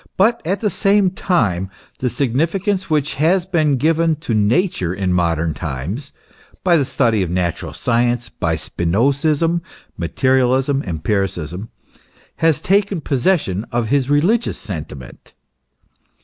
But at the same time, the significance which has been given to Nature in modern times by the study of natural science, by Spino zism, materialism, empiricism has taken possession of his religious sentiment.